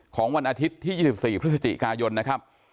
วันอาทิตย์ที่๒๔พฤศจิกายนนะครับ